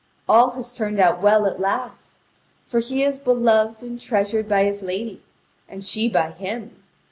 All has turned out well at last; for he is beloved and treasured by his lady, and she by him.